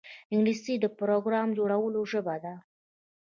انګلیسي د پروګرام جوړولو ژبه ده